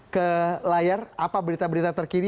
ke layar apa berita berita terkini